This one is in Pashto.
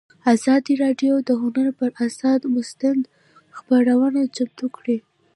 ازادي راډیو د هنر پر اړه مستند خپرونه چمتو کړې.